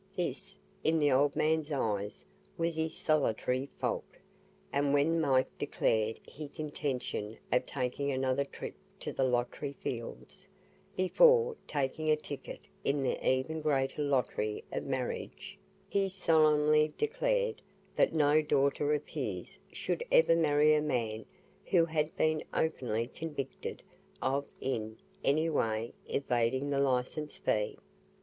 This, in the old man's eyes, was his solitary fault, and when Mike declared his intention of taking another trip to the "lottery fields" before taking a ticket in the even greater lottery of marriage, he solemnly declared that no daughter of his should ever marry a man who had been openly convicted of in any way evading the licence fee.